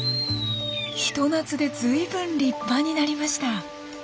ひと夏でずいぶん立派になりました。